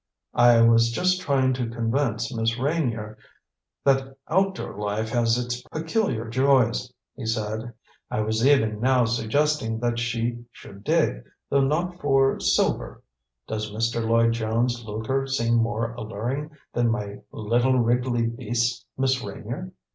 "I was just trying to convince Miss Reynier that outdoor life has its peculiar joys," he said. "I was even now suggesting that she should dig, though not for silver. Does Mr. Lloyd Jones' lucre seem more alluring than my little wriggly beasts, Miss Reynier?"